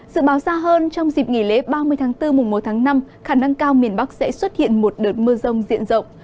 dự báo xa hơn trong dịp nghỉ lễ ba mươi tháng bốn mùa một tháng năm khả năng cao miền bắc sẽ xuất hiện một đợt mưa rông diện rộng